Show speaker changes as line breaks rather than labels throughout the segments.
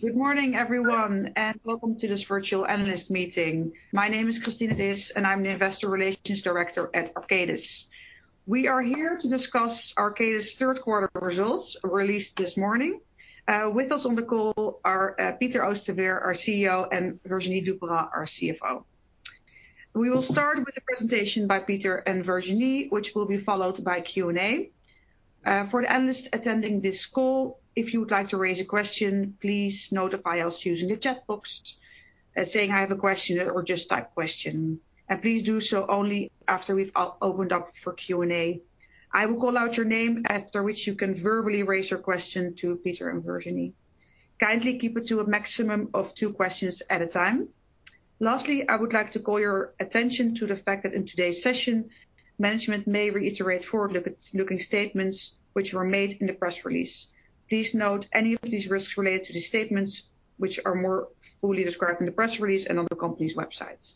Good morning everyone, and welcome to this virtual analyst meeting. My name is Christine Disch, and I'm the Investor Relations Director at Arcadis. We are here to discuss Arcadis Q3 results released this morning. With us on the call are Peter Oosterveer, our CEO, and Virginie Dupérat-Vergne, our CFO. We will start with a presentation by Peter and Virginie, which will be followed by Q&A. For the analysts attending this call, if you would like to raise a question, please notify us using the chat box, saying, "I have a question," or just type question. Please do so only after we've opened up for Q&A. I will call out your name, after which you can verbally raise your question to Peter and Virginie. Kindly keep it to a maximum of two questions at a time. Lastly, I would like to call your attention to the fact that in today's session, management may reiterate forward-looking statements which were made in the press release. Please note any of these risks related to the statements which are more fully described in the press release and on the company's websites.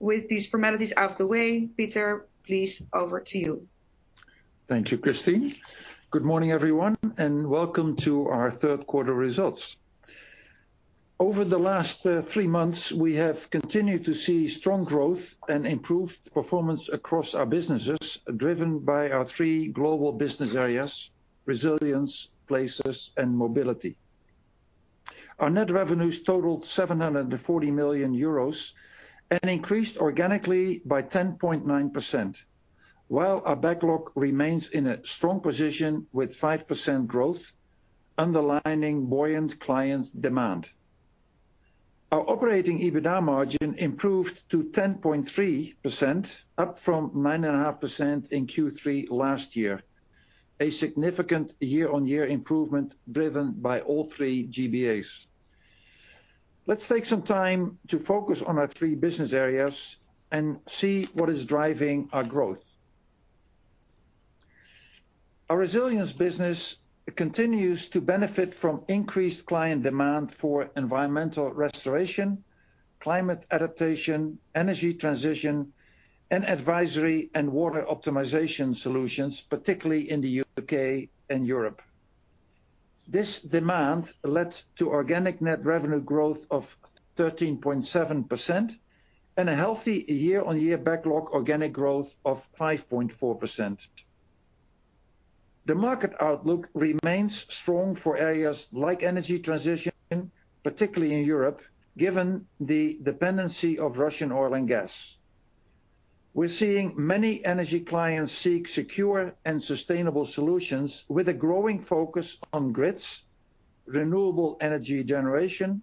With these formalities out of the way, Peter, please over to you.
Thank you, Christine. Good morning everyone, and welcome to our Q3 results. Over the last three months, we have continued to see strong growth and improved performance across our businesses, driven by our three global business areas, resilience, places, and mobility. Our net revenues totaled 740 million euros and increased organically by 10.9%, while our backlog remains in a strong position with 5% growth underlining buoyant client demand. Our operating EBITDA margin improved to 10.3%, up from 9.5% in Q3 last year. A significant year-on-year improvement driven by all three GBAs. Let's take some time to focus on our three business areas and see what is driving our growth. Our resilience business continues to benefit from increased client demand for environmental restoration, climate adaptation, energy transition, and advisory and water optimization solutions, particularly in the UK and Europe. This demand led to organic net revenue growth of 13.7% and a healthy year-on-year backlog organic growth of 5.4%. The market outlook remains strong for areas like energy transition, particularly in Europe, given the dependency on Russian oil and gas. We're seeing many energy clients seek secure and sustainable solutions with a growing focus on grids, renewable energy generation,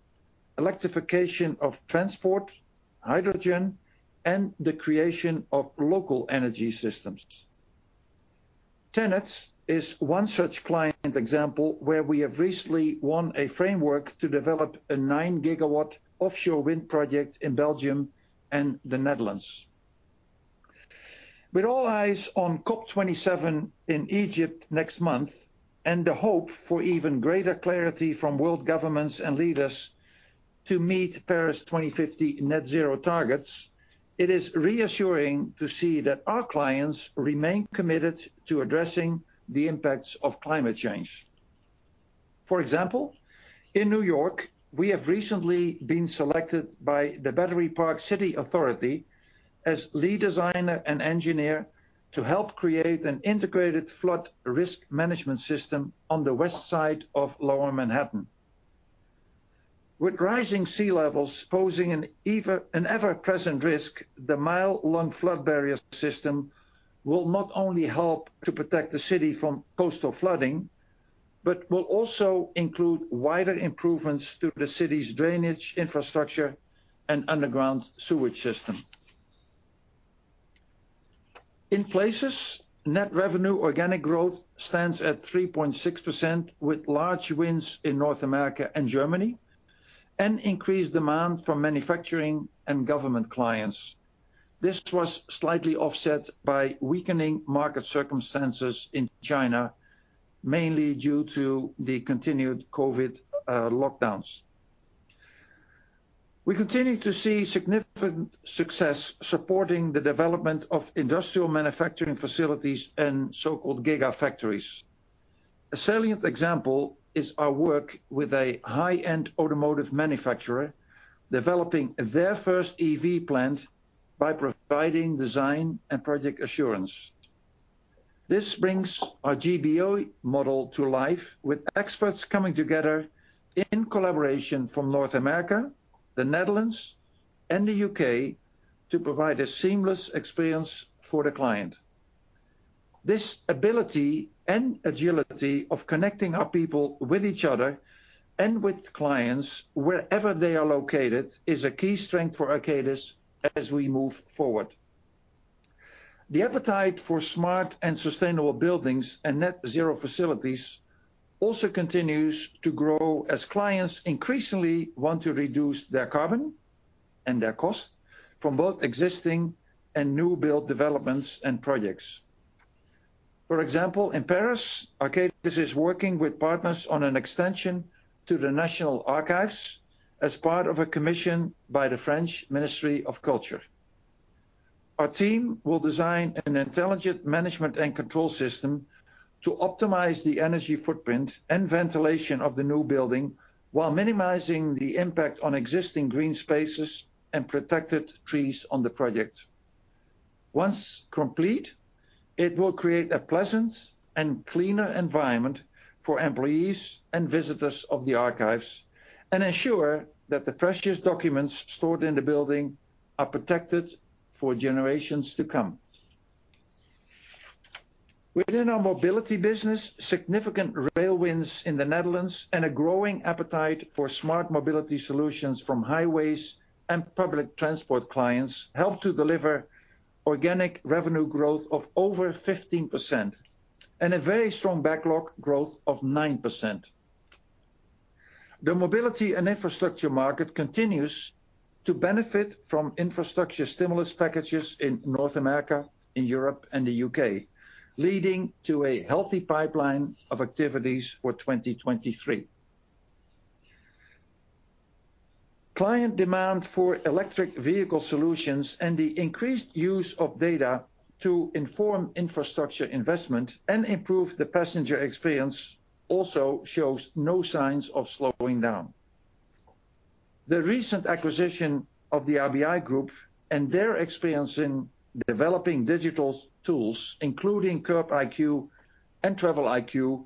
electrification of transport, hydrogen, and the creation of local energy systems. TenneT is one such client example where we have recently won a framework to develop a 9 GW offshore wind project in Belgium and the Netherlands. With all eyes on COP27 in Egypt next month, and the hope for even greater clarity from world governments and leaders to meet Paris 2050 net zero targets, it is reassuring to see that our clients remain committed to addressing the impacts of climate change. For example, in New York, we have recently been selected by the Battery Park City Authority as lead designer and engineer to help create an integrated flood risk management system on the west side of Lower Manhattan. With rising sea levels posing an ever-present risk, the mile-long flood barrier system will not only help to protect the city from coastal flooding, but will also include wider improvements to the city's drainage infrastructure and underground sewage system. In places, net revenue organic growth stands at 3.6% with large wins in North America and Germany, and increased demand from manufacturing and government clients. This was slightly offset by weakening market circumstances in China, mainly due to the continued COVID lockdowns. We continue to see significant success supporting the development of industrial manufacturing facilities and so-called gigafactories. A salient example is our work with a high-end automotive manufacturer developing their first EV plant by providing design and project assurance. This brings our GBA model to life with experts coming together in collaboration from North America, the Netherlands, and the UK to provide a seamless experience for the client. This ability and agility of connecting our people with each other and with clients wherever they are located is a key strength for Arcadis as we move forward. The appetite for smart and sustainable buildings and net zero facilities also continues to grow as clients increasingly want to reduce their carbon and their cost from both existing and new build developments and projects. For example, in Paris, Arcadis is working with partners on an extension to the National Archives as part of a commission by the French Ministry of Culture. Our team will design an intelligent management and control system to optimize the energy footprint and ventilation of the new building, while minimizing the impact on existing green spaces and protected trees on the project. Once complete, it will create a pleasant and cleaner environment for employees and visitors of the archives, and ensure that the precious documents stored in the building are protected for generations to come. Within our mobility business, significant rail wins in the Netherlands and a growing appetite for smart mobility solutions from highways and public transport clients helped to deliver organic revenue growth of over 15%, and a very strong backlog growth of 9%. The mobility and infrastructure market continues to benefit from infrastructure stimulus packages in North America, in Europe, and the UK, leading to a healthy pipeline of activities for 2023. Client demand for electric vehicle solutions and the increased use of data to inform infrastructure investment and improve the passenger experience also shows no signs of slowing down. The recent acquisition of the IBI Group and their experience in developing digital tools, including CurbIQ and Travel-IQ,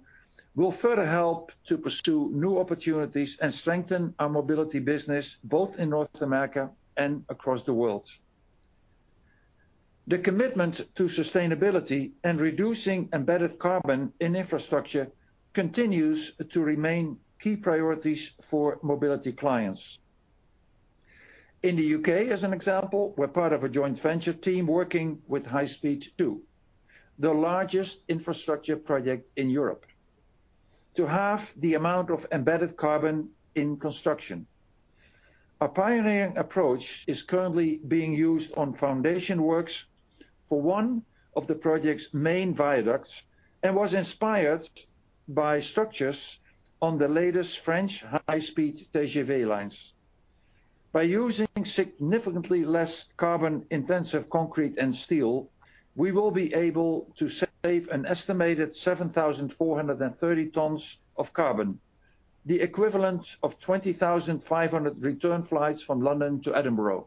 will further help to pursue new opportunities and strengthen our mobility business, both in North America and across the world. The commitment to sustainability and reducing embedded carbon in infrastructure continues to remain key priorities for mobility clients. In the UK, as an example, we're part of a joint venture team working with High Speed Two, the largest infrastructure project in Europe, to halve the amount of embedded carbon in construction. Our pioneering approach is currently being used on foundation works for one of the project's main viaducts, and was inspired by structures on the latest French high-speed TGV lines. By using significantly less carbon-intensive concrete and steel, we will be able to save an estimated 7,430 tons of carbon, the equivalent of 20,500 return flights from London to Edinburgh.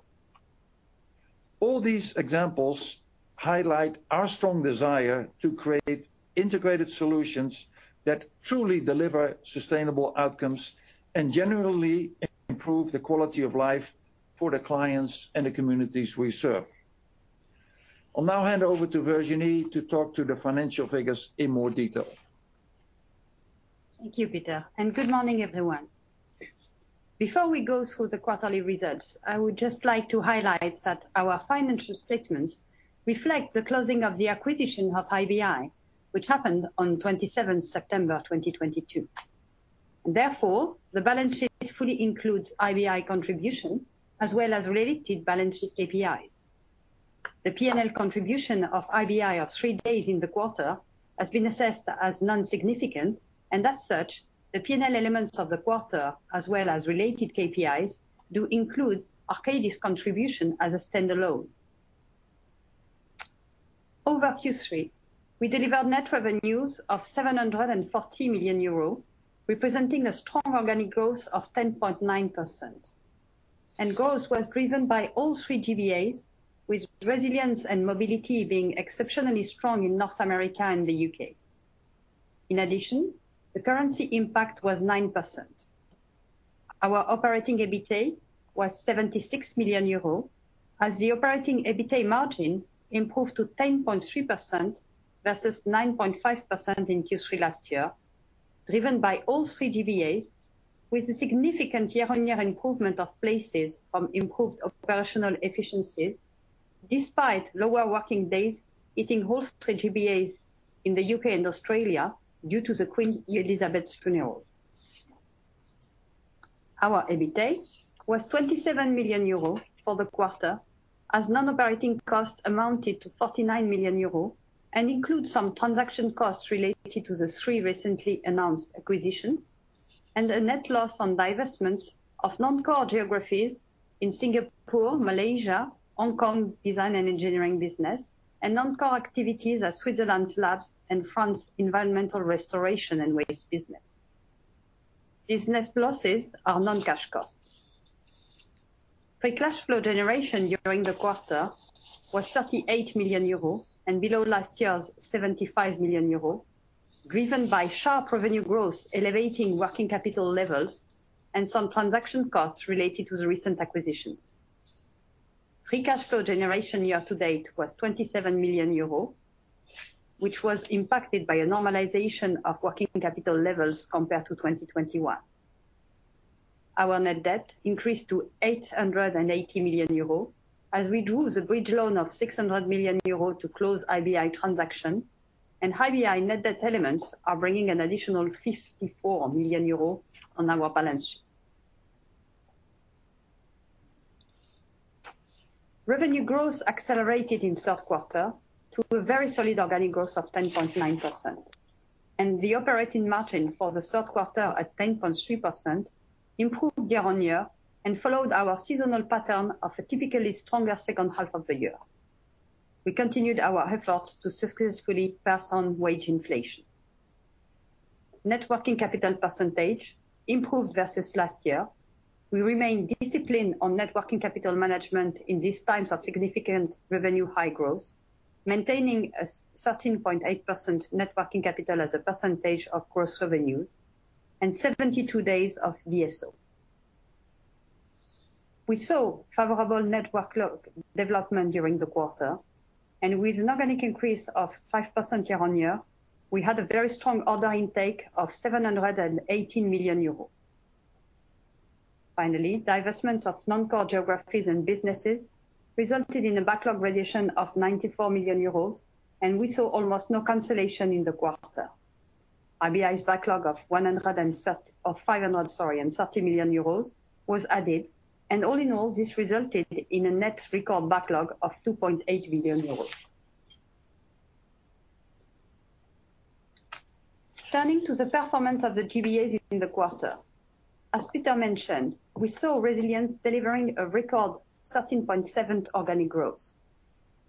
All these examples highlight our strong desire to create integrated solutions that truly deliver sustainable outcomes and generally improve the quality of life for the clients and the communities we serve. I'll now hand over to Virginie to talk to the financial figures in more detail.
Thank you, Peter, and good morning, everyone. Before we go through the quarterly results, I would just like to highlight that our financial statements reflect the closing of the acquisition of IBI, which happened on 27th September 2022. Therefore, the balance sheet fully includes IBI contribution, as well as related balance sheet KPIs. The P&L contribution of IBI of three days in the quarter has been assessed as non-significant, and as such, the P&L elements of the quarter, as well as related KPIs, do include Arcadis contribution as a standalone. Over Q3, we delivered net revenues of 740 million euros, representing a strong organic growth of 10.9%. Growth was driven by all three GBAs, with resilience and mobility being exceptionally strong in North America and the UK. In addition, the currency impact was 9%. Our operating EBITA was 76 million euros as the operating EBITA margin improved to 10.3% versus 9.5% in Q3 last year, driven by all three GBAs, with a significant year-on-year improvement of 80 basis points from improved operational efficiencies, despite lower working days hitting all three GBAs in the UK and Australia due to the Queen Elizabeth II's funeral. Our EBITA was 27 million euro for the quarter, as non-operating costs amounted to 49 million euro and includes some transaction costs related to the three recently announced acquisitions and a net loss on divestments of non-core geographies in Singapore, Malaysia, Hong Kong design and engineering business, and non-core activities as Switzerland's labs and French environmental restoration and waste business. These net losses are non-cash costs. Free cash flow generation during the quarter was 38 million euro and below last year's 75 million euro, driven by sharp revenue growth elevating working capital levels and some transaction costs related to the recent acquisitions. Free cash flow generation year-to-date was 27 million euro, which was impacted by a normalization of working capital levels compared to 2021. Our net debt increased to 880 million euros as we drew the bridge loan of 600 million euros to close IBI transaction, and IBI net debt elements are bringing an additional 54 million euros on our balance sheet. Revenue growth accelerated in Q3 to a very solid organic growth of 10.9%. The operating margin for Q3 at 10.3% improved year-on-year and followed our seasonal pattern of a typically stronger second half of the year. We continued our efforts to successfully pass on wage inflation. Net working capital percentage improved versus last year. We remain disciplined on net working capital management in these times of significant revenue high growth, maintaining a 13.8% net working capital as a percentage of gross revenues and 72 days of DSO. We saw favorable net working capital development during the quarter. With an organic increase of 5% year-on-year, we had a very strong order intake of 780 million euros. Finally, divestments of non-core geographies and businesses resulted in a backlog reduction of 94 million euros, and we saw almost no cancellation in the quarter. IBI's backlog of 130 million euros was added, and all in all, this resulted in a net record backlog of 2.8 billion euros. Turning to the performance of the GBAs in the quarter. As Peter mentioned, we saw resilience delivering a record 13.7% organic growth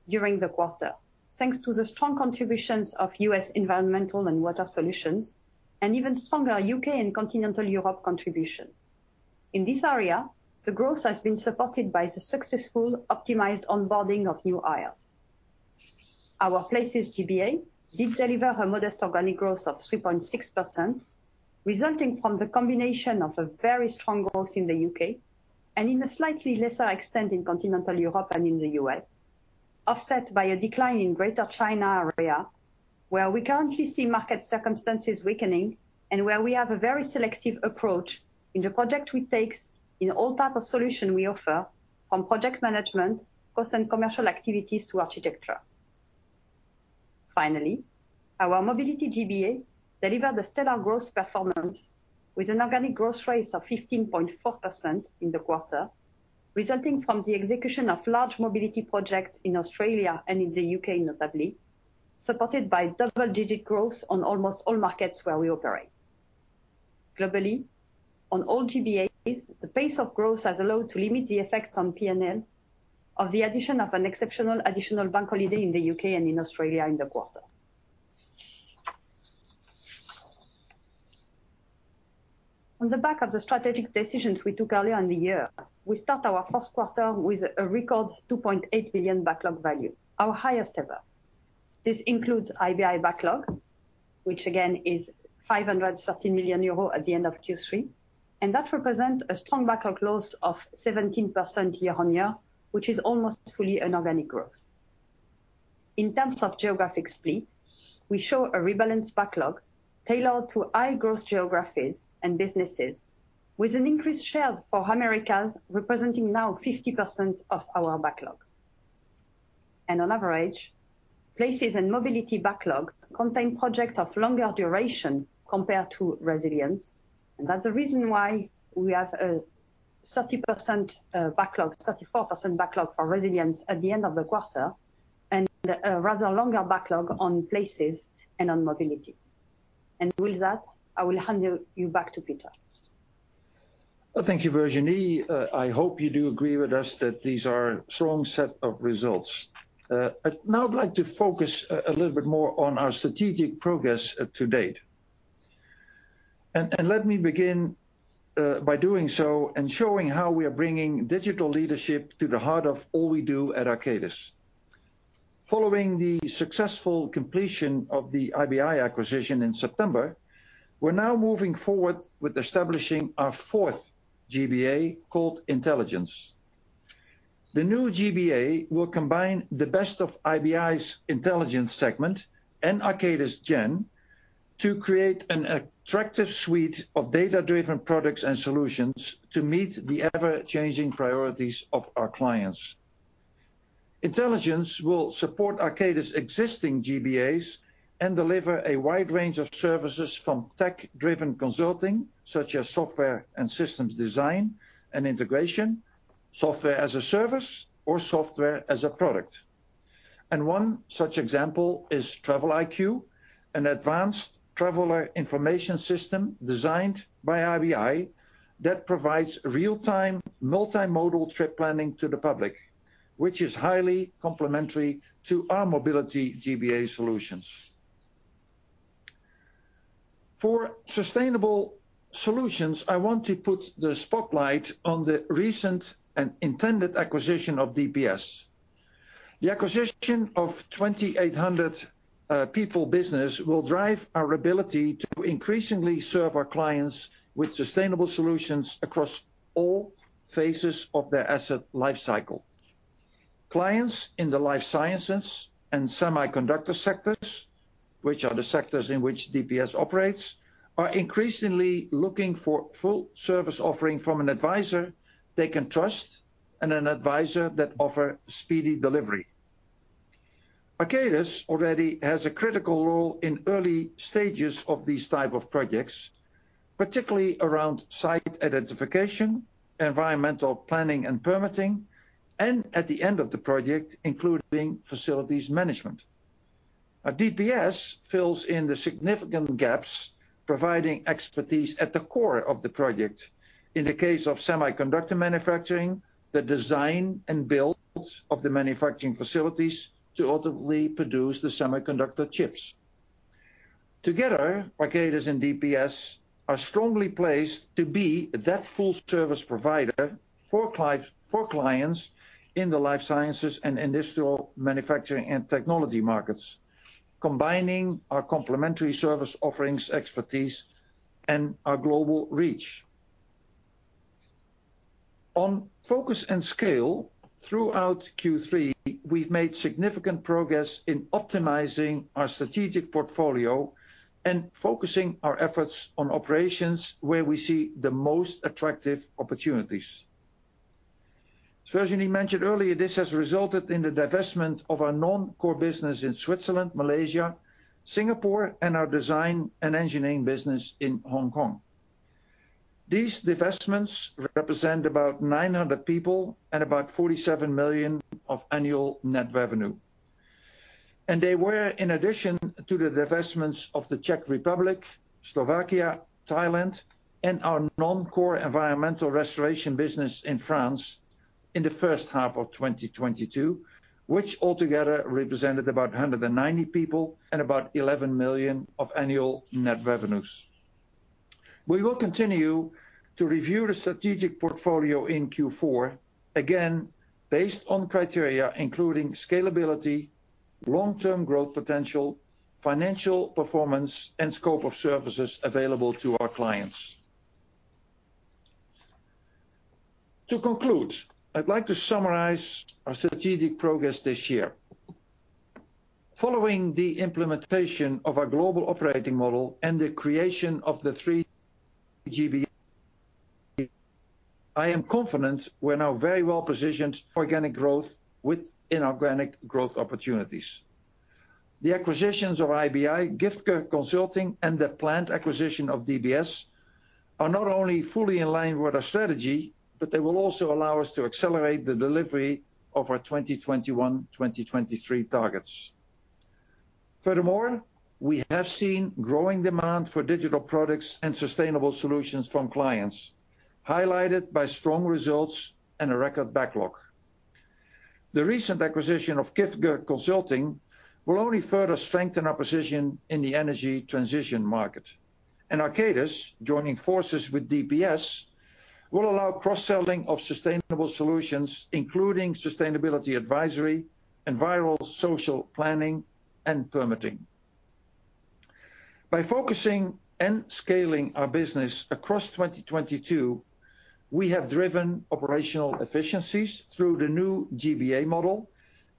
during the quarter, thanks to the strong contributions of US Environmental and Water Solutions and even stronger UK and Continental Europe contribution. In this area, the growth has been supported by the successful optimized onboarding of new hires. Our Places GBA did deliver a modest organic growth of 3.6%, resulting from the combination of a very strong growth in the UK and in a slightly lesser extent in Continental Europe and in the US, offset by a decline in Greater China area, where we currently see market circumstances weakening and where we have a very selective approach in the project we take in all type of solution we offer, from project management, cost and commercial activities to architecture. Finally, our Mobility GBA delivered a stellar growth performance with an organic growth rate of 15.4% in the quarter, resulting from the execution of large mobility projects in Australia and in the UK notably, supported by double-digit growth on almost all markets where we operate. Globally, on all GBAs, the pace of growth has allowed to limit the effects on P&L of the addition of an exceptional additional bank holiday in the UK and in Australia in the quarter. On the back of the strategic decisions we took earlier in the year, we start our Q1 with a record 2.8 billion backlog value, our highest ever. This includes IBI backlog, which again is 530 million euros at the end of Q3, and that represent a strong backlog growth of 17% year-on-year, which is almost fully an organic growth. In terms of geographic split, we show a rebalanced backlog tailored to high-growth geographies and businesses with an increased share for Americas, representing now 50% of our backlog. On average, Places and Mobility backlog contain project of longer duration compared to Resilience. That's the reason why we have a 34% backlog for Resilience at the end of the quarter, and a rather longer backlog on Places and on Mobility. With that, I will hand you back to Peter.
Thank you, Virginie. I hope you do agree with us that these are strong set of results. Now I'd like to focus a little bit more on our strategic progress to date. Let me begin by doing so and showing how we are bringing digital leadership to the heart of all we do at Arcadis. Following the successful completion of the IBI acquisition in September, we're now moving forward with establishing our fourth GBA called Intelligence. The new GBA will combine the best of IBI's intelligence segment and Arcadis Gen to create an attractive suite of data-driven products and solutions to meet the ever-changing priorities of our clients. Intelligence will support Arcadis' existing GBAs and deliver a wide range of services from tech-driven consulting, such as software and systems design and integration, software as a service or software as a product. One such example is Travel-IQ, an advanced traveler information system designed by IBI that provides real-time, multimodal trip planning to the public, which is highly complementary to our Mobility GBA solutions. For sustainable solutions, I want to put the spotlight on the recent and intended acquisition of DPS. The acquisition of 2,800 people business will drive our ability to increasingly serve our clients with sustainable solutions across all phases of their asset lifecycle. Clients in the life sciences and semiconductor sectors, which are the sectors in which DPS operates, are increasingly looking for full service offering from an advisor they can trust and an advisor that offer speedy delivery. Arcadis already has a critical role in early stages of these type of projects, particularly around site identification, environmental planning and permitting, and at the end of the project, including facilities management. Now DPS fills in the significant gaps, providing expertise at the core of the project. In the case of semiconductor manufacturing, the design and build of the manufacturing facilities to ultimately produce the semiconductor chips. Together, Arcadis and DPS are strongly placed to be that full service provider for clients in the life sciences and industrial manufacturing and technology markets, combining our complementary service offerings, expertise, and our global reach. On focus and scale throughout Q3, we've made significant progress in optimizing our strategic portfolio and focusing our efforts on operations where we see the most attractive opportunities. As Virginie mentioned earlier, this has resulted in the divestment of our non-core business in Switzerland, Malaysia, Singapore, and our design and engineering business in Hong Kong. These divestments represent about 900 people and about 47 million of annual net revenue. They were in addition to the divestments of the Czech Republic, Slovakia, Thailand, and our non-core environmental restoration business in France in the first half of 2022, which altogether represented about 190 people and about 11 million of annual net revenues. We will continue to review the strategic portfolio in Q4, again, based on criteria including scalability, long-term growth potential, financial performance, and scope of services available to our clients. To conclude, I'd like to summarize our strategic progress this year. Following the implementation of our global operating model and the creation of the three GBAs, I am confident we're now very well-positioned for organic growth with inorganic growth opportunities. The acquisitions of IBI, Giftge Consulting, and the planned acquisition of DPS are not only fully in line with our strategy, but they will also allow us to accelerate the delivery of our 2021, 2023 targets. Furthermore, we have seen growing demand for digital products and sustainable solutions from clients, highlighted by strong results and a record backlog. The recent acquisition of Giftge Consulting will only further strengthen our position in the energy transition market. Arcadis joining forces with DPS will allow cross-selling of sustainable solutions, including sustainability advisory, environmental social planning, and permitting. By focusing and scaling our business across 2022, we have driven operational efficiencies through the new GBA model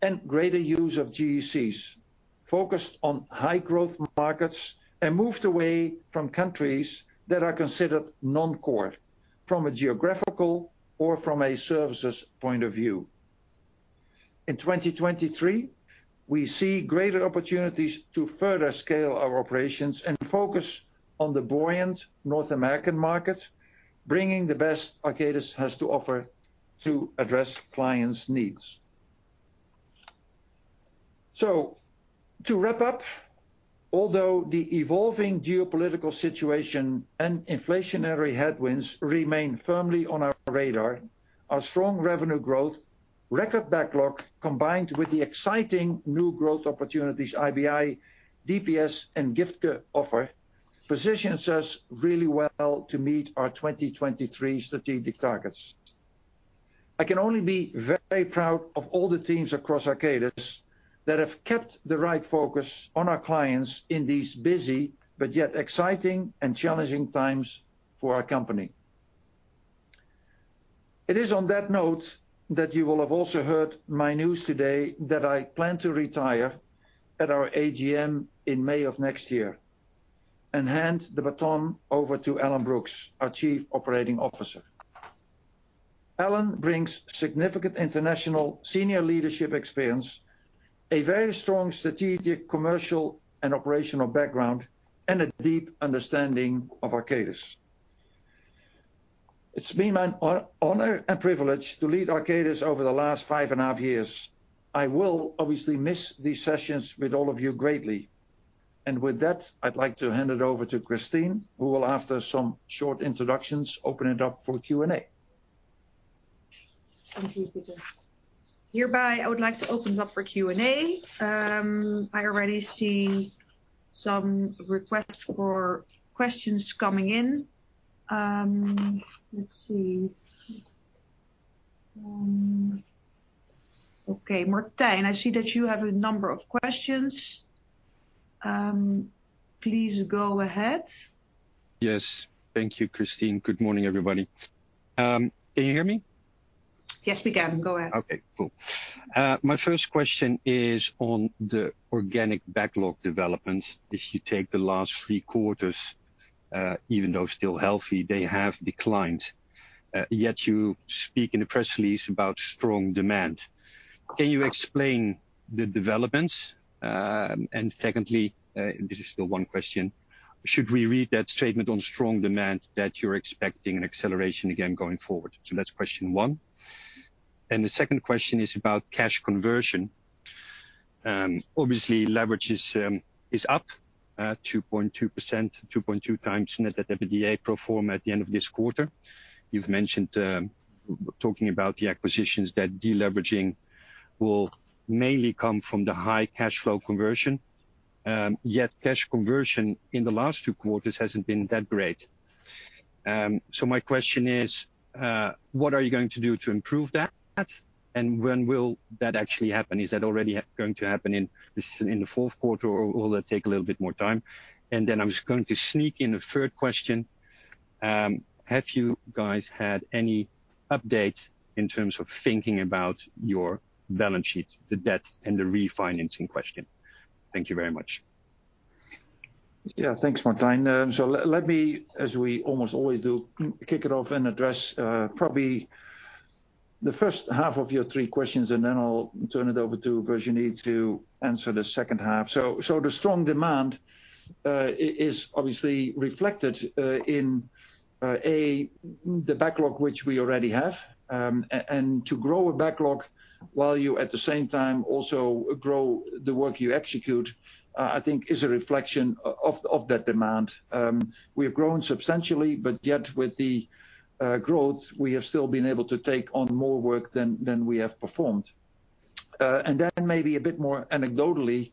and greater use of GECs, focused on high-growth markets, and moved away from countries that are considered non-core from a geographical or from a services point of view. In 2023, we see greater opportunities to further scale our operations and focus on the buoyant North American market, bringing the best Arcadis has to offer to address clients' needs. To wrap up, although the evolving geopolitical situation and inflationary headwinds remain firmly on our radar, our strong revenue growth, record backlog, combined with the exciting new growth opportunities IBI, DPS, and Giftge offer, positions us really well to meet our 2023 strategic targets. I can only be very proud of all the teams across Arcadis that have kept the right focus on our clients in these busy but yet exciting and challenging times for our company. It is on that note that you will have also heard my news today that I plan to retire at our AGM in May of next year and hand the baton over to Alan Brookes, our Chief Operating Officer. Alan brings significant international senior leadership experience, a very strong strategic, commercial, and operational background, and a deep understanding of Arcadis. It's been an honor and privilege to lead Arcadis over the last five and a half years. I will obviously miss these sessions with all of you greatly. With that, I'd like to hand it over to Christine, who will, after some short introductions, open it up for Q&A.
Thank you, Peter. Hereby, I would like to open it up for Q&A. I already see some requests for questions coming in. Let's see. Okay, Martijn, I see that you have a number of questions. Please go ahead.
Yes. Thank you, Christine. Good morning, everybody. Can you hear me?
Yes, we can. Go ahead.
Okay, cool. My first question is on the organic backlog developments. If you take the last three quarters, even though still healthy, they have declined. Yet you speak in the press release about strong demand. Can you explain the developments? Secondly, this is still one question. Should we read that statement on strong demand that you're expecting an acceleration again going forward? That's question one. The second question is about cash conversion. Obviously leverage is up 2.2 times net EBITDA pro forma at the end of this quarter. You've mentioned talking about the acquisitions that deleveraging will mainly come from the high cash flow conversion, yet cash conversion in the last two quarters hasn't been that great. My question is, what are you going to do to improve that? When will that actually happen? Is that already going to happen in Q4 or will that take a little bit more time? I'm just going to sneak in a third question. Have you guys had any update in terms of thinking about your balance sheet, the debt and the refinancing question? Thank you very much.
Yes, thanks, Martijn. Let me, as we almost always do, kick it off and address probably the first half of your three questions, and then I'll turn it over to Virginie to answer the second half. The strong demand is obviously reflected in the backlog which we already have. To grow a backlog while you, at the same time, also grow the work you execute, I think is a reflection of that demand. We have grown substantially, but yet with the growth, we have still been able to take on more work than we have performed. Maybe a bit more anecdotally,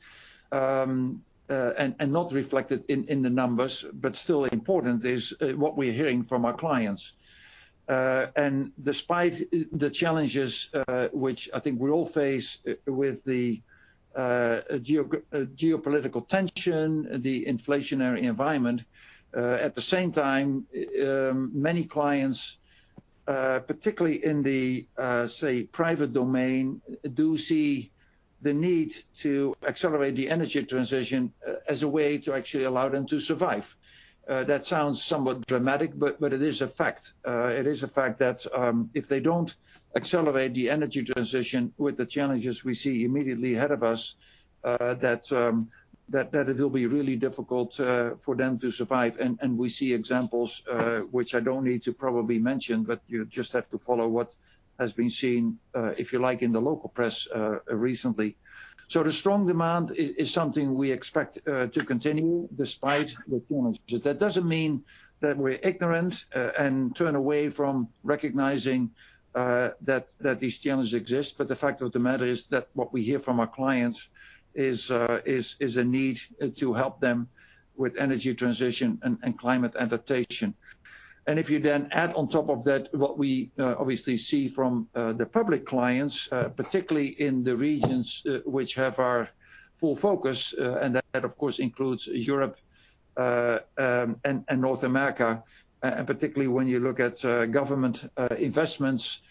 and not reflected in the numbers, but still important is what we're hearing from our clients. Despite the challenges, which I think we all face with the geopolitical tension, the inflationary environment, at the same time, many clients, particularly in the, say, private domain, do see the need to accelerate the energy transition as a way to actually allow them to survive. That sounds somewhat dramatic, but it is a fact. It is a fact that, if they don't accelerate the energy transition with the challenges we see immediately ahead of us, that it'll be really difficult for them to survive. We see examples, which I don't need to probably mention, but you just have to follow what has been seen, if you like, in the local press, recently. The strong demand is something we expect to continue despite the challenges. That doesn't mean that we're ignorant and turn away from recognizing that these challenges exist. The fact of the matter is that what we hear from our clients is a need to help them with energy transition and climate adaptation. If you then add on top of that what we obviously see from the public clients, particularly in the regions which have our full focus, and that, of course, includes Europe and North America. Particularly when you look at government investments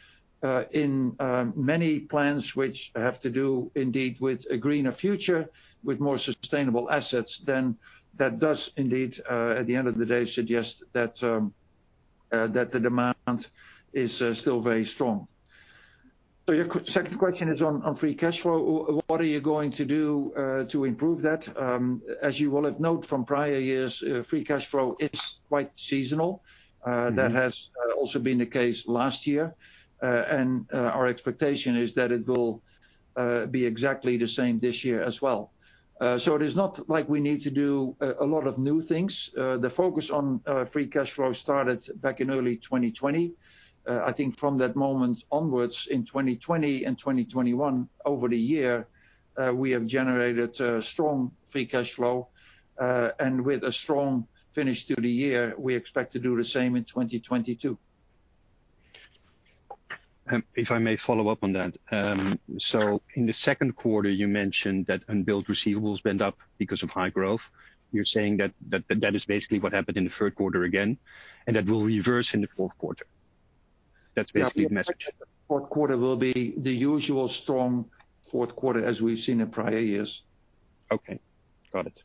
in many plans which have to do indeed with a greener future, with more sustainable assets, then that does indeed, at the end of the day, suggest that the demand is still very strong. Your second question is on free cash flow. What are you going to do to improve that? As you will have noted from prior years, free cash flow, it's quite seasonal. That has also been the case last year. Our expectation is that it will be exactly the same this year as well. It is not like we need to do a lot of new things. The focus on free cash flow started back in early 2020. I think from that moment onwards in 2020 and 2021, over the year, we have generated strong free cash flow. With a strong finish to the year, we expect to do the same in 2022.
If I may follow up on that. In Q2, you mentioned that unbilled receivables went up because of high growth. You're saying that is basically what happened in Q3 again, and that will reverse in Q4. That's basically the message.
Q4 will be the usual strong Q4 as we've seen in prior years.
Okay, got it.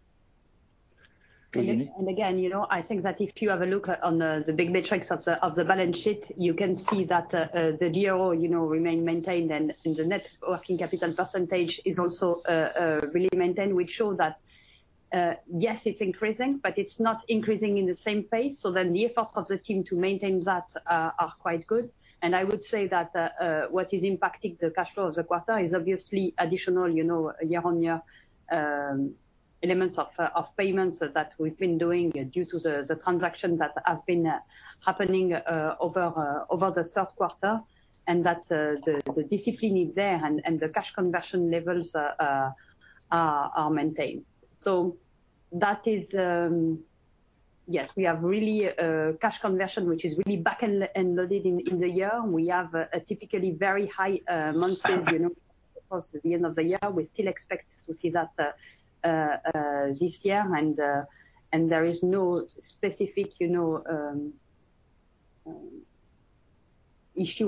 Virginie?
Again, I think that if you have a look at the big metrics of the balance sheet, you can see that the DSO, remain maintained and the net working capital percentage is also really maintained, which show that yes, it's increasing, but it's not increasing in the same pace. The effort of the team to maintain that are quite good. I would say that what is impacting the cash flow of the quarter is obviously additional, year-on-year elements of payments that we've been doing due to the transactions that have been happening over Q3. The discipline is there and the cash conversion levels are maintained. We have cash conversion which is really back-end loaded in the year. We have typically very high DSOs as towards the end of the year. We still expect to see that this year. There is no specific issue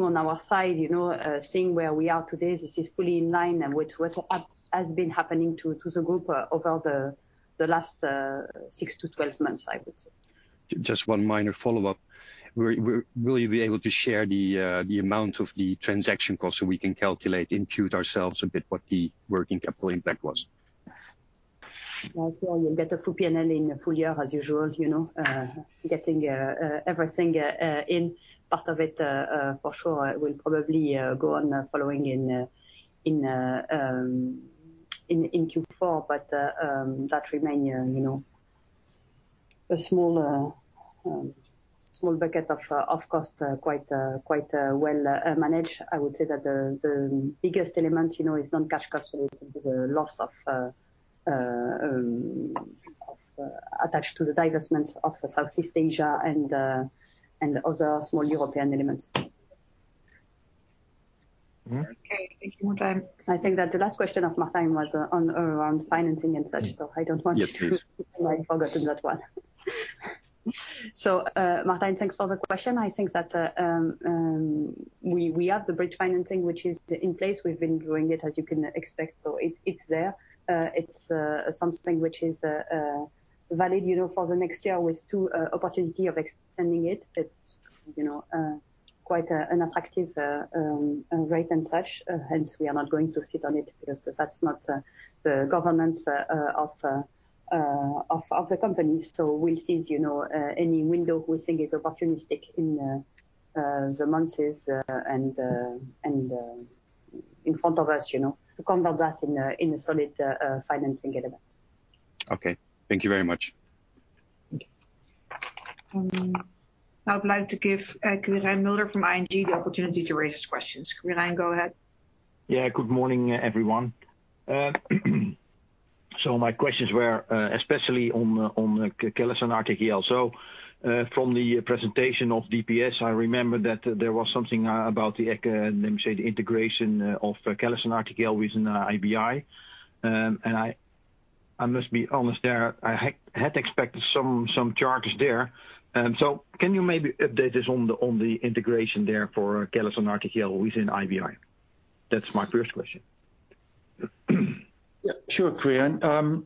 on our side. seeing where we are today, this is fully in line with what has been happening to the group over the last 6-12 months, I would say.
Just one minor follow-up. Will you be able to share the amount of the transaction cost so we can calculate, impute ourselves a bit what the working capital impact was?
Also you'll get a full P&L in a full year as usual, getting everything in. Part of it for sure will probably go on in Q4. That remain a small bucket of cost quite well managed. I would say that the biggest element is non-cash costs related to the loss attached to the divestments of Southeast Asia and other small European elements.
Okay. Thank you, Martijn.
I think that the last question of Martijn was around financing and such, so I don't want to forget that one.
Yes, please. Martijn, thanks for the question. I think that we have the bridge financing, which is in place. We've been doing it as you can expect. It's there. It's something which is valid, for the next year with two opportunities of extending it. It's quite an attractive rate and such. Hence, we are not going to sit on it because that's not the governance of the company. We'll seize any window we think is opportunistic in the months and in front of us, to convert that in a solid financing element. Okay. Thank you very much.
Okay.
I would like to give Quirijn Mulder from ING the opportunity to raise his questions. Quirijn, go ahead.
Yes. Good morning, everyone. My questions were especially on CallisonRTKL. From the presentation of DPS, I remember that there was something about, let me say, the integration of CallisonRTKL within IBI. I must be honest there, I had expected some charges there. Can you maybe update us on the integration there for CallisonRTKL within IBI? That's my first question.
Yes, sure, Quirijn.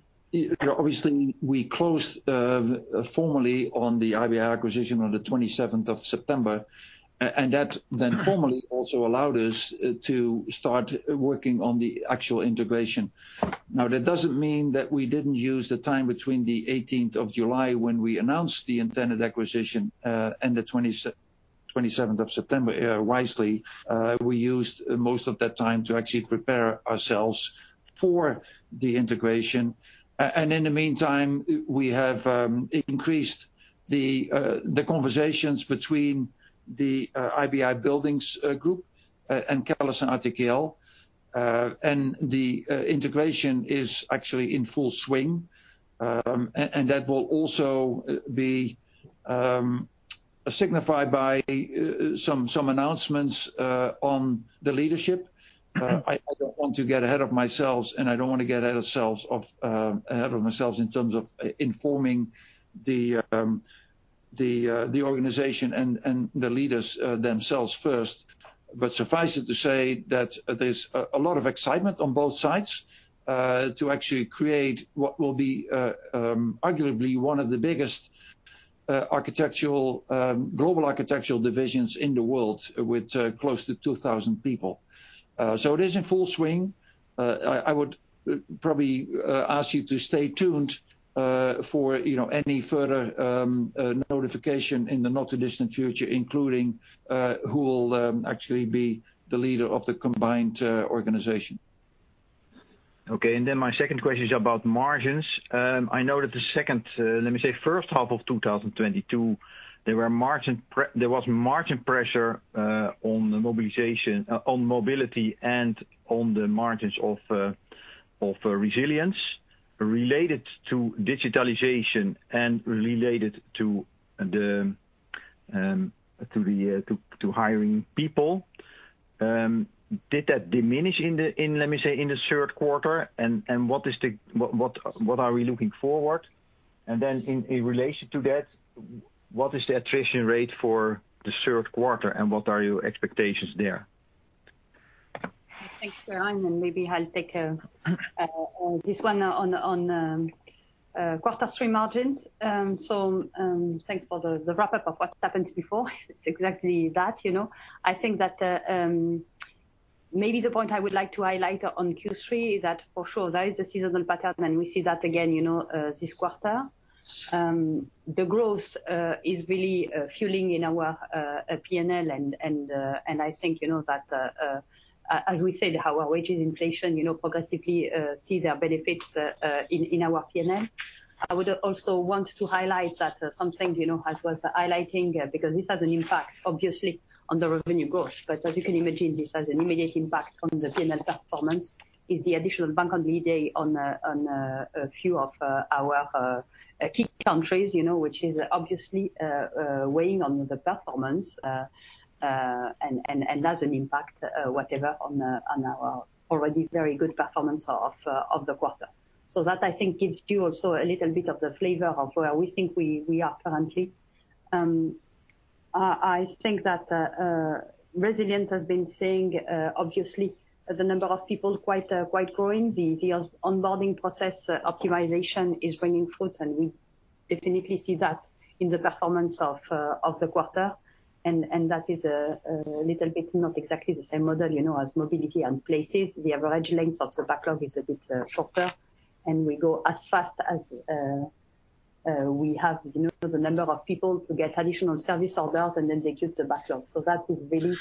Obviously, we closed formally on the IBI acquisition on the 27th of September. That then formally also allowed us to start working on the actual integration. Now, that doesn't mean that we didn't use the time between the 18th of July when we announced the intended acquisition and the 27th of September wisely. We used most of that time to actually prepare ourselves for the integration. In the meantime, we have increased the conversations between the IBI Buildings group and CallisonRTKL. The integration is actually in full swing. That will also be signified by some announcements on the leadership. I don't want to get ahead of myself in terms of informing the organization and the leaders themselves first, but suffice it to say that there's a lot of excitement on both sides to actually create what will be arguably one of the biggest global architectural divisions in the world with close to 2,000 people. It is in full swing. I would probably ask you to stay tuned for any further notification in the not-too-distant future, including who will actually be the leader of the combined organization.
Okay. My second question is about margins. I know that, let me say, first half of 2022, there was margin pressure on mobility and on the margins of resilience related to digitalization and related to hiring people. Did that diminish in, let me say, Q3? What are we looking forward? In relation to that, what is the attrition rate for Q3, and what are your expectations there?
Thanks, Quirijn. Maybe I'll take this one on Q3 margins. Thanks for the wrap-up of what happened before. It's exactly that. I think that maybe the point I would like to highlight on Q3 is that for sure there is a seasonal pattern, and we see that again this quarter. The growth is really fueling in our P&L and I think you know that as we said, our wage inflation progressively see their benefits in our P&L. I would also want to highlight that something you know as was highlighting because this has an impact obviously on the revenue growth. As you can imagine, this has an immediate impact on the P&L performance, is the additional bank holiday on a few of our key countries, which is obviously weighing on the performance and has an impact, whatever on our already very good performance of the quarter. That I think gives you also a little bit of the flavor of where we think we are currently. I think that Resilience has been seeing obviously the number of people quite growing. The onboarding process optimization is bringing fruits, and we definitely see that in the performance of the quarter. That is a little bit not exactly the same model, as Mobility and Places. The average length of the backlog is a bit shorter, and we go as fast as we have, the number of people to get additional service orders and then execute the backlog. That really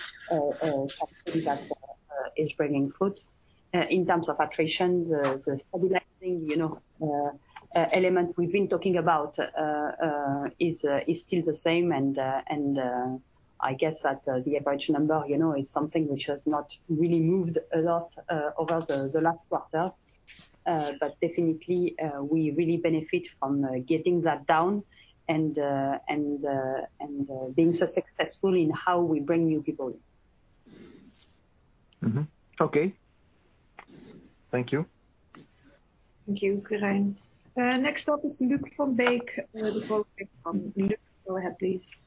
is bearing fruit. In terms of attrition, the stabilizing element we've been talking about is still the same and I guess that the average number is something which has not really moved a lot over the last quarter. Definitely, we really benefit from getting that down and being so successful in how we bring new people in.
Okay. Thank you.
Thank you, Quirijn Mulder.
Next up is Luuk Van Beek with Bank Degroof. Luuk, go ahead, please.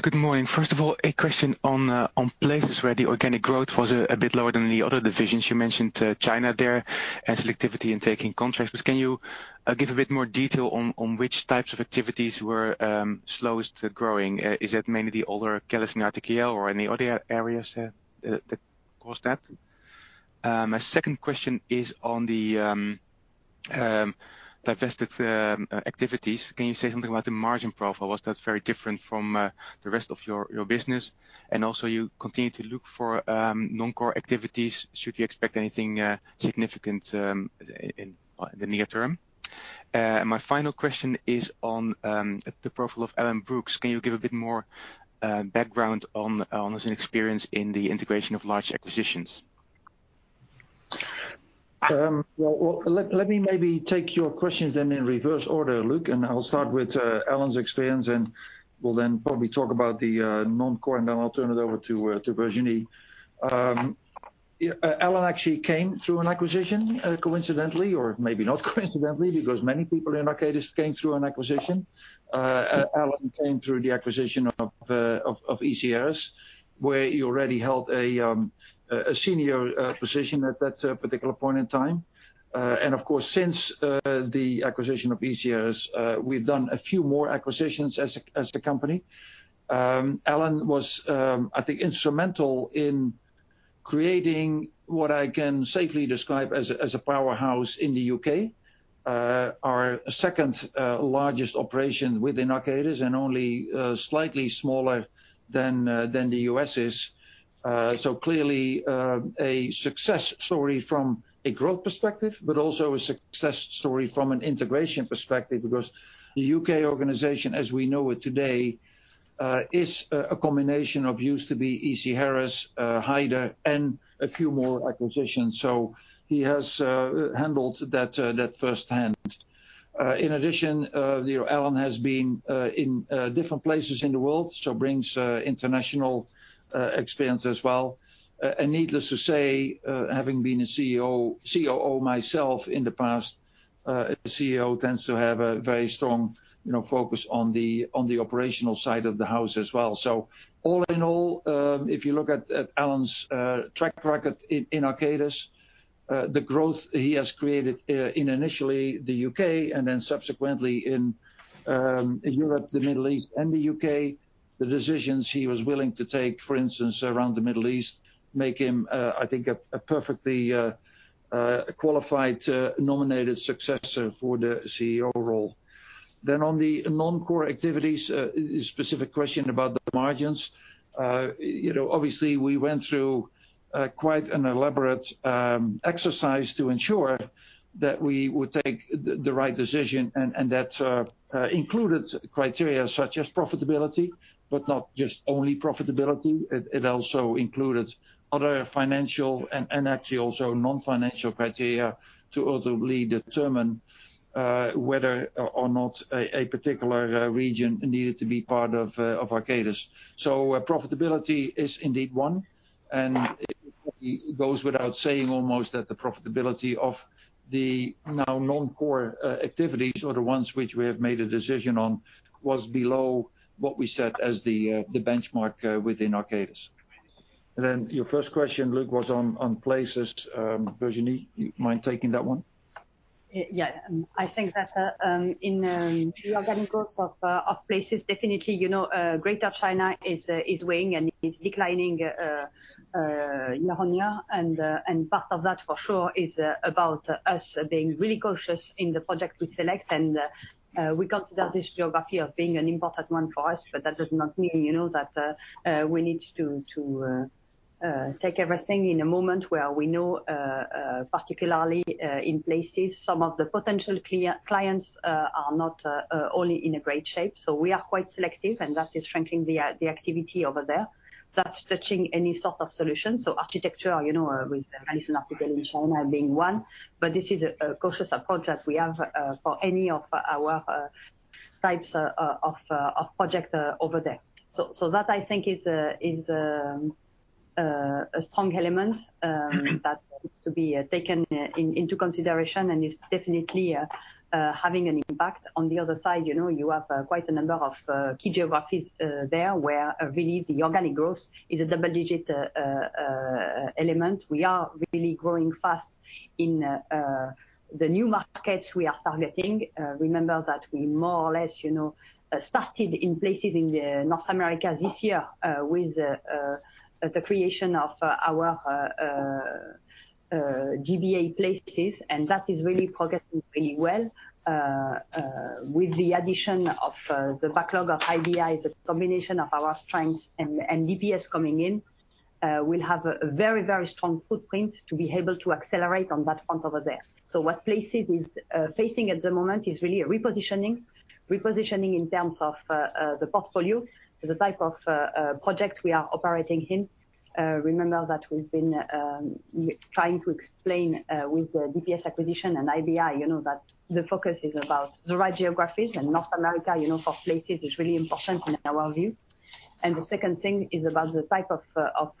Good morning. First of all, a question on Places where the organic growth was a bit lower than the other divisions. You mentioned China there has selectivity in taking. [inaudible] Can you give a bit detail on which type of activities were slowest growing? Is it mainly [inaudible] or any other areas here that caused that? My second question is on the divested activities. Can you say whom at the margin profile was very different from the rest of your business? Also, you continued to look for non-core activities, should we expect anything significant in the near term? My final question is on the profile of Alan Brookes, can you give a bit more background on the experience in the integration of live acquisitions?
Let me maybe take your questions then in reverse order, Luuk, and I'll start with Alan's experience, and we'll then probably talk about the non-core, and then I'll turn it over to Virginie. Alan actually came through an acquisition coincidentally, or maybe not coincidentally, because many people in Arcadis came through an acquisition. Alan came through the acquisition of EC Harris, where he already held a senior position at that particular point in time. Of course, since the acquisition of EC Harris, we've done a few more acquisitions as the company. Alan was, I think, instrumental in creating what I can safely describe as a powerhouse in the U.K., our second largest operation within Arcadis and only slightly smaller than the U.S. is. Clearly, a success story from a growth perspective, but also a success story from an integration perspective because the U.K. organization as we know it today is a combination of used to be EC Harris, Hyder, and a few more acquisitions. He has handled that first hand. In addition, Alan has been in different places in the world, so brings international experience as well. Needless to say, having been a COO myself in the past, CEO tends to have a very strong focus on the operational side of the house as well. All in all, if you look at Alan's track record in Arcadis, the growth he has created in initially the UK and then subsequently in Europe, the Middle East and the UK, the decisions he was willing to take, for instance, around the Middle East, make him a perfectly qualified nominated successor for the CEO role. On the non-core activities, specific question about the margins. Obviously, we went through quite an elaborate exercise to ensure that we would take the right decision and that included criteria such as profitability, but not just only profitability. It also included other financial and actually also non-financial criteria to ultimately determine whether or not a particular region needed to be part of Arcadis. Profitability is indeed one, and it goes without saying almost that the profitability of the now non-core activities or the ones which we have made a decision on was below what we set as the benchmark within Arcadis. Then your first question, Luuk, was on Places. Virginie, you mind taking that one?
Yes. I think that in the organic growth of APAC, definitely, Greater China is weakening and it's declining year on year. Part of that for sure is about us being really cautious in the project we select. We consider this geography of being an important one for us, but that does not mean that we need to take everything at the moment where we know, particularly in APAC some of the potential clients are not all in great shape. We are quite selective, and that is strengthening the activity over there. That's the solution. Architectural, with CallisonRTKL after entering China being one, but this is a cautious approach that we have for any of our types of projects over there. That I think is a strong element that needs to be taken into consideration and is definitely having an impact. On the other side, you have quite a number of key geographies there where really the organic growth is a double-digit element. We are really growing fast in the new markets we are targeting. Remember that we more or less, started in Places in North America this year with the creation of our GBA Places, and that is really progressing really well. With the addition of the backlog of IBI, the combination of our strengths and DPS coming in, we'll have a very strong footprint to be able to accelerate on that front over there. What Places is facing at the moment is really a repositioning. Repositioning in terms of the portfolio, the type of project we are operating in. Remember that we've been trying to explain with the DPS acquisition and IBI, that the focus is about the right geographies. North America for Places is really important in our view. The second thing is about the type of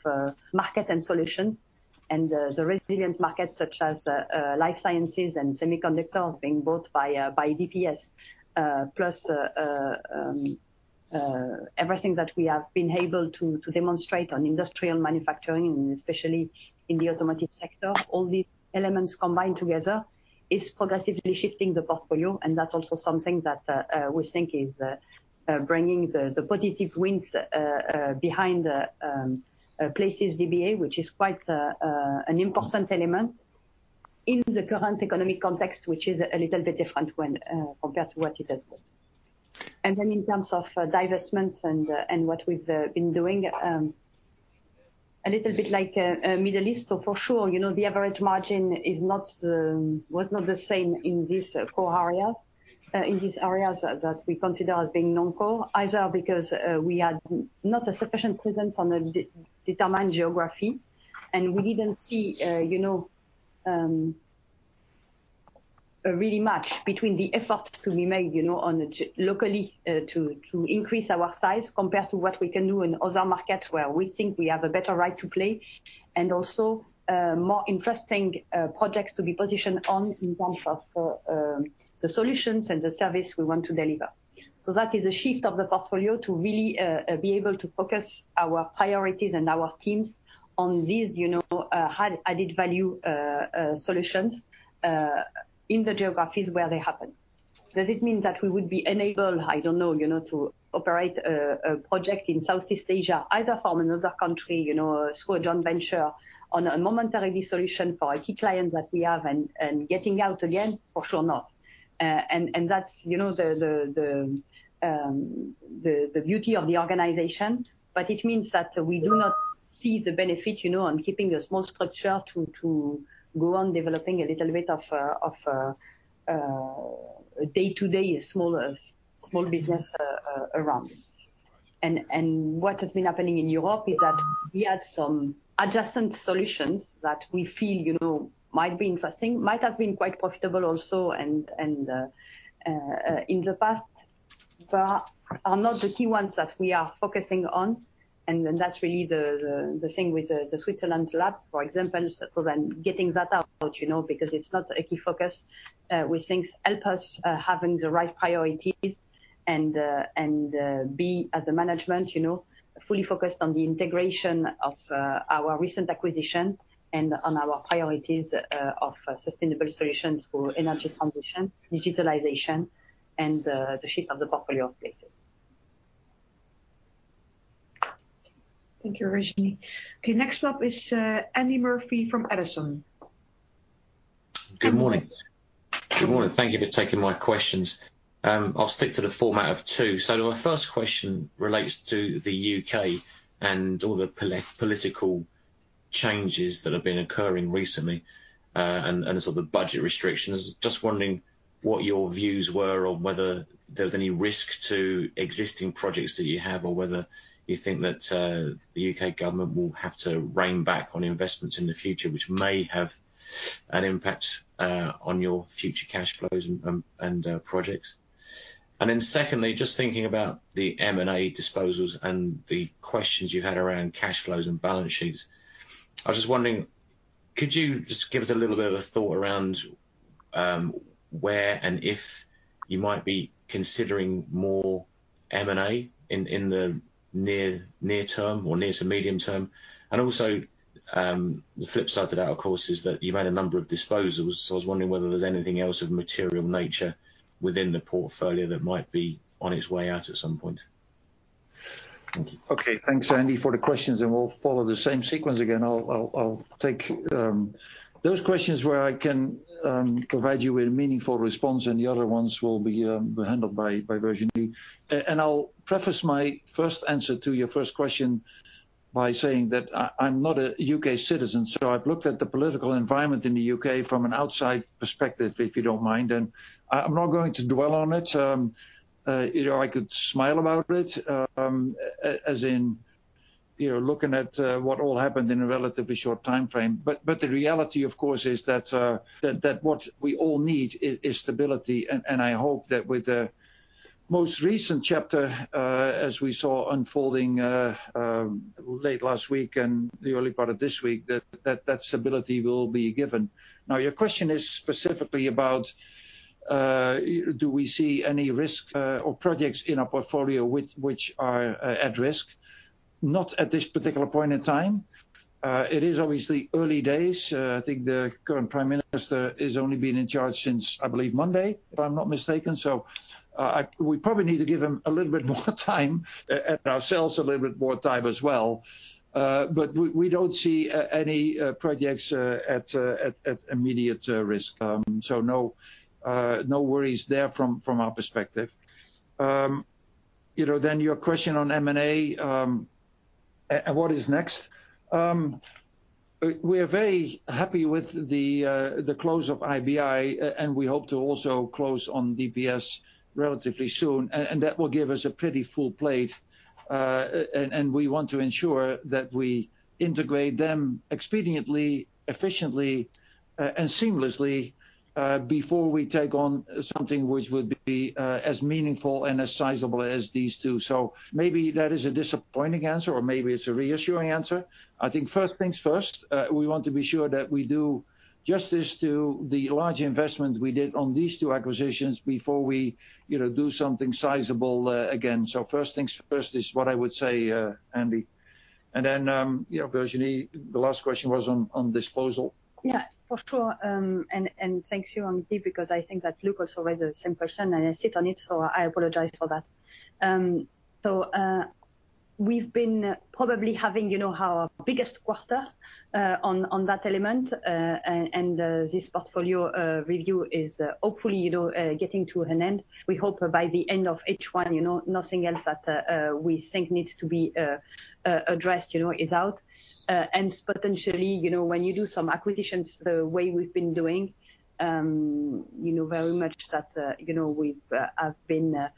market and solutions, and the resilient markets such as life sciences and semiconductors being bought by DPS. Plus everything that we have been able to demonstrate on industrial manufacturing, especially in the automotive sector. All these elements combined together is progressively shifting the portfolio, and that's also something that we think is bringing the positive wins behind the Places GBA, which is quite an important element in the current economic context, which is a little bit different when compared to what it is. Then, in terms of divestments and what we've been doing, a little bit like the Middle East. For sure, the average margin was not the same in this core areas. In these areas that we consider as being non-core, either because we had not a sufficient presence on a determined geography, and we didn't see really much between the effort to be made locally to increase our size compared to what we can do in other markets where we think we have a better right to play and also, more interesting projects to be positioned on in terms of the solutions and the service we want to deliver. That is a shift of the portfolio to really be able to focus our priorities and our teams on these added value solutions in the geographies where they happen. Does it mean that we would be enabled, I don't know, to operate a project in Southeast Asia, either from another country, through a joint venture on a momentary solution for a key client that we have and getting out again? For sure not. That's the beauty of the organization, but it means that we do not see the benefit on keeping a small structure to go on developing a little bit of day-to-day small business around. What has been happening in Europe is that we had some adjacent solutions that we feel might be interesting, might have been quite profitable also and in the past, but are not the key ones that we are focusing on. That's really the thing with the Switzerland labs, for example. Getting that out, because it's not a key focus, we think help us having the right priorities and be as a management, fully focused on the integration of our recent acquisition and on our priorities of sustainable solutions for energy transition, digitalization, and the shift of the portfolio of Places.
Thank you, Virginie. Okay. Next up is Andy Murphy from Edison.
Good morning. Thank you for taking my questions. I'll stick to the format of two. My first question relates to the UK and all the political changes that have been occurring recently, and the budget restrictions. Just wondering what your views were on whether there's any risk to existing projects that you have or whether you think that the UK government will have to rein back on investments in the future, which may have an impact on your future cash flows and projects. Then secondly, just thinking about the M&A disposals and the questions you had around cash flows and balance sheets. I was just wondering, could you just give us a little bit of a thought around where and if you might be considering more M&A in the near term or near to medium term? Also, the flip side to that, of course, is that you made a number of disposals. I was wondering whether there's anything else of material nature within the portfolio that might be on its way out at some point. Thank you.
Okay. Thanks, Andy, for the questions, and we'll follow the same sequence again. I'll take those questions where I can provide you with a meaningful response, and the other ones will be handled by Virginie. I'll preface my first answer to your first question by saying that I'm not a UK citizen, so I've looked at the political environment in the UK from an outside perspective, if you don't mind. I'm not going to dwell on it. I could smile about it, as in, looking at what all happened in a relatively short timeframe. The reality, of course, is that what we all need is stability. I hope that, with the most recent chapter, as we saw unfolding late last week and the early part of this week, that stability will be given. Now, your question is specifically about, do we see any risk or projects in our portfolio which are at risk? Not at this particular point in time. It is obviously early days. I think the current Prime Minister has only been in charge since, I believe, Monday, if I'm not mistaken. We probably need to give him a little bit more time and ourselves a little bit more time as well. We don't see any projects at immediate risk. No worries there from our perspective. Your question on M&A and what is next. We're very happy with the close of IBI and we hope to also close on DPS relatively soon. That will give us a pretty full plate. We want to ensure that we integrate them expediently, efficiently, and seamlessly before we take on something which would be as meaningful and as sizable as these two. Maybe that is a disappointing answer, or maybe it's a reassuring answer. I think first things first, we want to be sure that we do justice to the large investment we did on these two acquisitions before we do something sizable again. First things first is what I would say, Andy. Then, Virginie, the last question was on disposal.
Yes, for sure. Thank you, Andy, because I think that Luuk also raised the same question, and I sat on it, so I apologize for that. We've been probably having our biggest quarter on that element. This portfolio review is hopefully getting to an end. We hope by the end of Q1, nothing else that we think needs to be addressed, is out. Potentially, when you do some acquisitions the way we've been doing, you know very much that we have been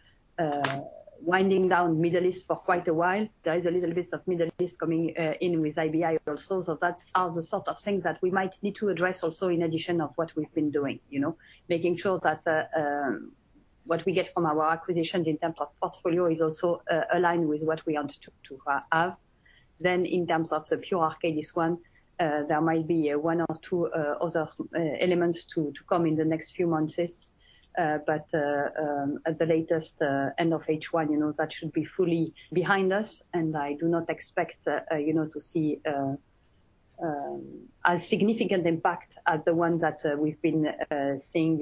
winding down the Middle East for quite a while. There is a little bit of the Middle East coming in with IBI also. That's the things that we might need to address also in addition to what we've been doing. Making sure that what we get from our acquisitions in terms of portfolio is also aligned with what we want to have. Then, in terms of the pure Arcadis one, there might be one or two other elements to come in the next few months, but at the latest, end of Q1, that should be fully behind us, and I do not expect to see a significant impact as the ones that we've been seeing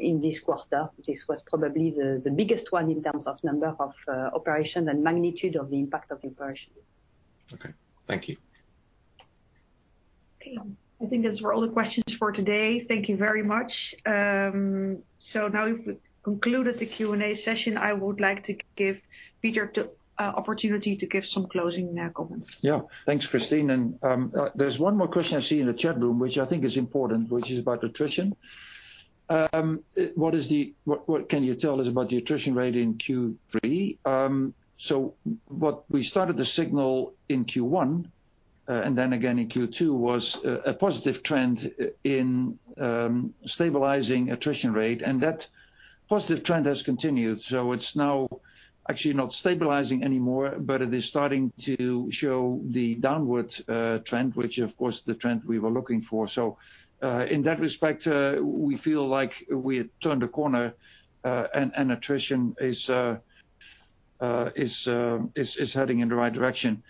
in this quarter. This was probably the biggest one in terms of number of operations and magnitude of the impact of the operations.
Okay. Thank you.
Okay. I think those were all the questions for today. Thank you very much. Now we've concluded the Q&A session. I would like to give Peter the opportunity to give some closing comments.
Yes. Thanks, Christine. There's one more question I see in the chat room, which I think is important, which is about attrition. What can you tell us about the attrition rate in Q3? We started to signal in Q1 and then again in Q2 was a positive trend in stabilizing attrition rate, and that positive trend has continued. It's now actually not stabilizing anymore, but it is starting to show the downwards trend, which of course the trend we were looking for. In that respect, we feel like we turned a corner, and attrition is heading in the right direction.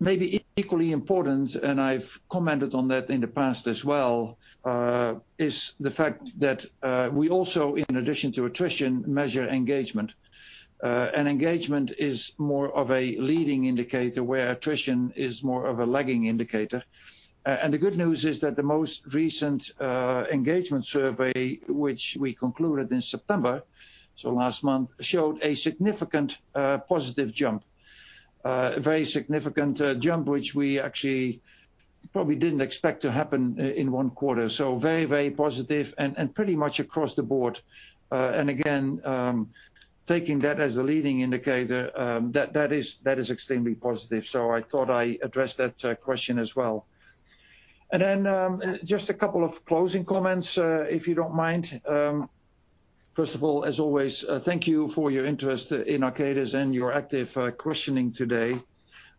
Maybe equally important, and I've commented on that in the past as well, is the fact that we also, in addition to attrition, measure engagement. Engagement is more of a leading indicator, where attrition is more of a lagging indicator. The good news is that the most recent engagement survey, which we concluded in September, so last month, showed a significant positive jump. A very significant jump, which we actually probably didn't expect to happen in one quarter. Very, very positive and pretty much across the board. Again, taking that as a leading indicator, that is extremely positive. I thought I address that question as well. Just a couple of closing comments, if you don't mind. First of all, as always, thank you for your interest in Arcadis and your active questioning today.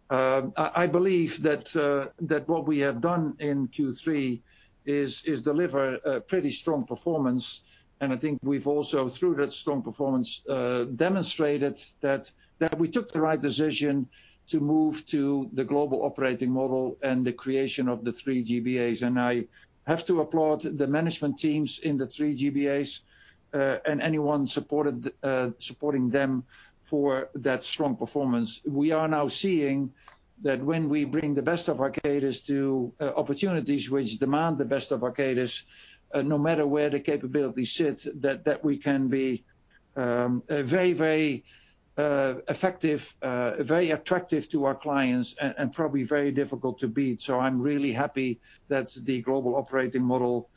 I believe that what we have done in Q3 is deliver a pretty strong performance. I think we've also, through that strong performance, demonstrated that we took the right decision to move to the global operating model and the creation of the three GBAs. I have to applaud the management teams in the three GBAs and anyone supporting them for that strong performance. We are now seeing that when we bring the best of Arcadis to opportunities which demand the best of Arcadis, no matter where the capability sits, that we can be a very effective, very attractive to our clients, and probably very difficult to beat. I'm really happy that the global operating model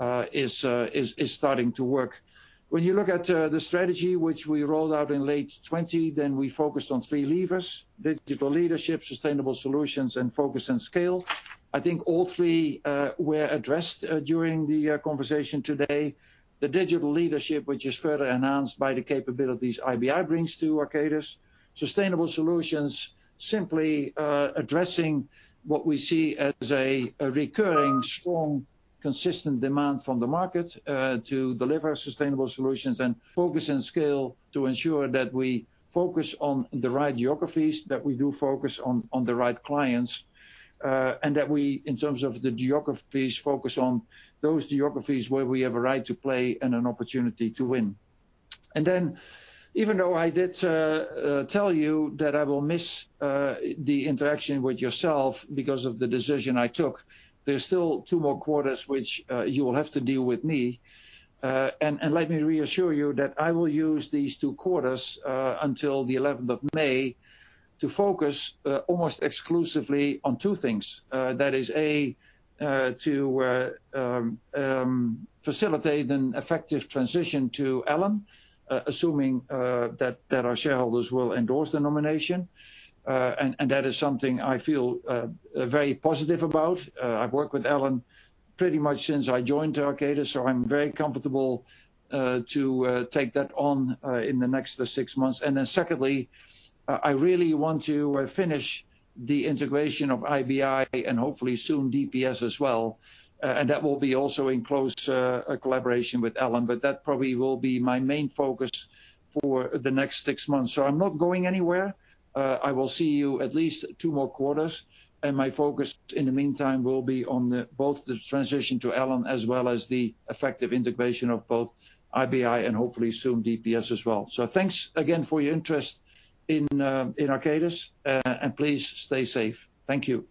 is starting to work. When you look at the strategy which we rolled out in late 2020, then we focused on three levers, digital leadership, sustainable solutions, and focus and scale. I think all three were addressed during the conversation today. The digital leadership, which is further enhanced by the capabilities IBI brings to Arcadis. Sustainable solutions, simply addressing what we see as a recurring, strong, consistent demand from the market to deliver sustainable solutions and focus and scale to ensure that we focus on the right geographies, that we do focus on the right clients, and that we, in terms of the geographies, focus on those geographies where we have a right to play and an opportunity to win. Even though I did tell you that I will miss the interaction with yourself because of the decision I took, there's still two more quarters which you will have to deal with me. Let me reassure you that I will use these two quarters until the 11th of May to focus almost exclusively on two things. That is, A, to facilitate an effective transition to Alan assuming that our shareholders will endorse the nomination. That is something I feel very positive about. I've worked with Alan Brookes pretty much since I joined Arcadis, so I'm very comfortable to take that on in the next six months. Then secondly, I really want to finish the integration of IBI and hopefully soon DPS as well. That will be also in close collaboration with Alan, but that probably will be my main focus for the next six months. I'm not going anywhere. I will see you at least two more quarters, and my focus in the meantime will be on both the transition to Alan as well as the effective integration of both IBI and hopefully soon DPS as well. Thanks again for your interest in Arcadis, and please stay safe. Thank you.